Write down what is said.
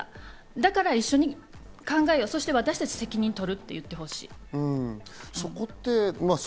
だから一緒に考えよう、そして私達、責任取ると言ってほしい。